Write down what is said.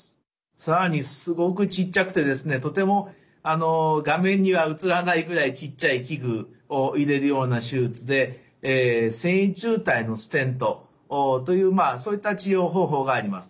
更にすごくちっちゃくてとても画面には映らないぐらいちっちゃい器具を入れるような手術で線維柱帯のステントというそういった治療方法があります。